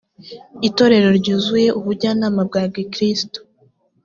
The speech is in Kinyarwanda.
itorero ryuzuye ubujyanama bwa gikristo